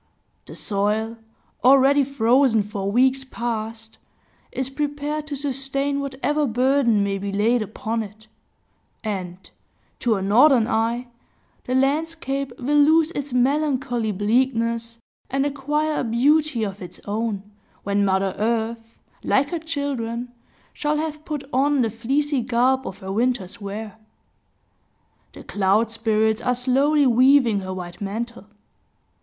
The soil, already frozen for weeks past, is prepared to sustain whatever burden may be laid upon it; and, to a northern eye, the landscape will lose its melancholy bleakness and acquire a beauty of its own, when Mother Earth, like her children, shall have put on the fleecy garb of her winter's wear. The cloud spirits are slowly weaving her white mantle.